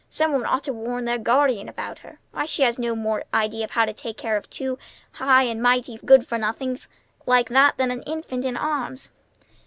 Some one ought to warn their guardian about her. Why, she has no more idea of how to take care of two high and mighty good for nothings like that than an infant in arms!"